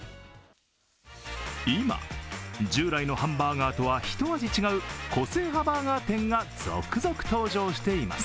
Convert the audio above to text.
今、従来のハンバーガーとはひと味違う個性派バーガー店が続々登場しています。